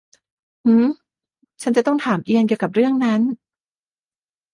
หืม ฉันจะต้องถามเอียนเกี่ยวกับเรื่องนั้น